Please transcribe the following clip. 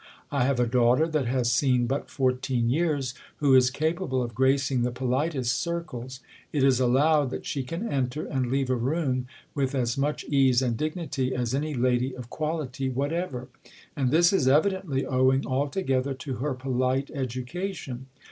I have a daughter that ha^ seen but fourteen years, who is capable of gracing the politest circles; It is allowed that she can enter, and leave a room, with as much ease and dignity as any lady of quality whatever. . And this is evidently owing alto gether to her polite education.